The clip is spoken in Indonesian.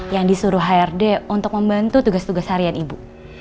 yang disuruh hrd untuk membantu tugas tugas harian ibu